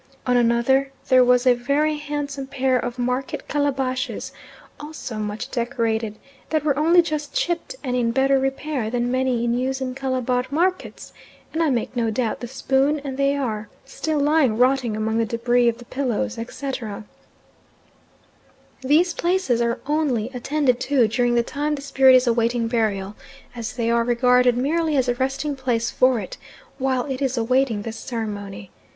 On another there was a very handsome pair of market calabashes, also much decorated, that were only just chipped and in better repair than many in use in Calabar markets, and I make no doubt the spoon and they are still lying rotting among the debris of the pillows, etc. These places are only attended to during the time the spirit is awaiting burial, as they are regarded merely as a resting place for it while it is awaiting this ceremony.